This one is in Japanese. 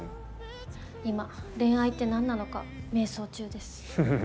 今恋愛って何なのか迷走中です。